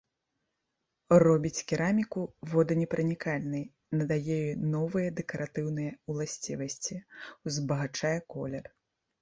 Робіць кераміку воданепранікальнай, надае ёй новыя дэкаратыўныя ўласцівасці, узбагачае колер.